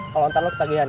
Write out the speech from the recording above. kalo ntar lo ke tagihan ya